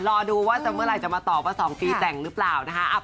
รอดูเมื่อไหร่จะมาต่อประสองกีตแหล่งหรือเปล่า